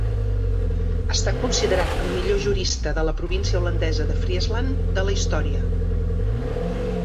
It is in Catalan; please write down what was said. Està considerat el millor jurista de la província holandesa de Friesland de la història.